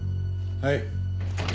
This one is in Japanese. はい。